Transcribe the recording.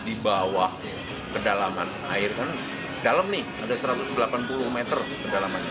di bawah kedalaman air kan dalam nih ada satu ratus delapan puluh meter kedalamannya